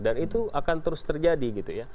dan itu akan terus terjadi